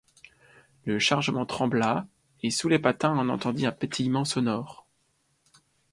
Le chargement trembla, et sous les patins on entendit un pétillement sonore.